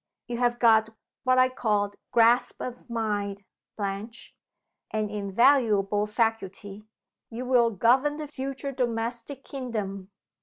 you have got what I call grasp of mind, Blanche. An invaluable faculty! You will govern the future domestic kingdom.